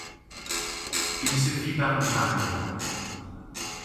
Il se fit par miracle.